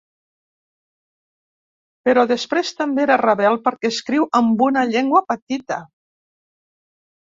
Però després també era rebel perquè escriu amb una llengua petita.